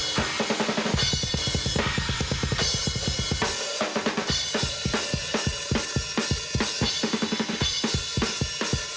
มาก